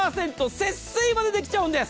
節水までできちゃうんです。